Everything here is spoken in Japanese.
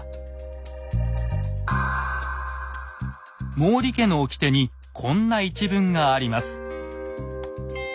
毛利家の掟にこんな一文があります。